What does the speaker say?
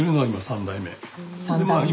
３代目。